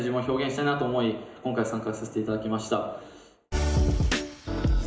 今回参加させていただきました。